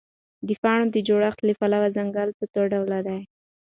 د پاڼو د جوړښت له پلوه ځنګل په څوډوله دی؟